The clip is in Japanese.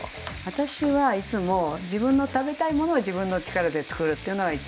私はいつも自分の食べたいものを自分の力でつくるっていうのが一番の基本。